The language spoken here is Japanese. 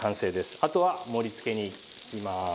あとは盛り付けにいきます。